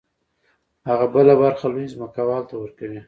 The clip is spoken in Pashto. هغه بله برخه لوی ځمکوال ته ورکوي